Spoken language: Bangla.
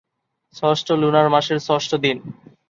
ষষ্ঠ লুনার মাসের ষষ্ঠ দিন।